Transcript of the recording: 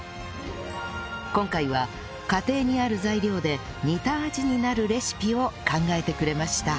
今回は家庭にある材料で似た味になるレシピを考えてくれました